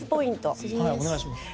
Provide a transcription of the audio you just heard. はいお願いします。